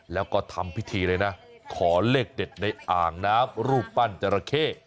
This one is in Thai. แล้วก็ทำพิธีเลยนะขอเลขเด็ดในอ่างน้ำรูปปั้นจราเข้